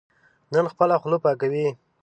نن خپله خوله پاکوي.